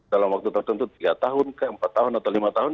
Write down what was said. dalam waktu tertentu tiga tahun ke empat tahun atau lima tahun